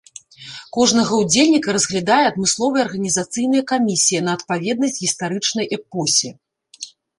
Кожнага ўдзельніка разглядае адмысловая арганізацыйная камісія на адпаведнасць гістарычнай эпосе.